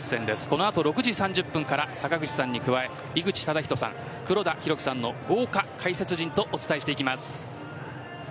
この後、６時３０分から坂口さんに加え井口資仁さん、黒田博樹さんの豪華解説陣とお伝えしていきます。